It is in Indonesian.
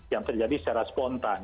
yang terjadi secara spontan